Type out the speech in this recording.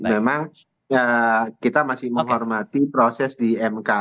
memang kita masih menghormati proses di mk